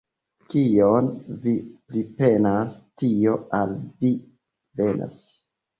Kion vi pripenas, tio al vi venas.